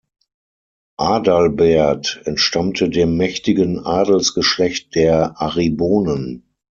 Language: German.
Adalbert entstammte dem mächtigen Adelsgeschlecht der Aribonen.